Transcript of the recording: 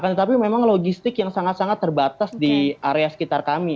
tetapi memang logistik yang sangat sangat terbatas di area sekitar kami